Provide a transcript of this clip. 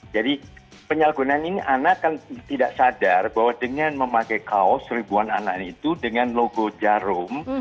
jadi penyalahgunaan ini anak kan tidak sadar bahwa dengan memakai kaos ribuan anak itu dengan logo jarum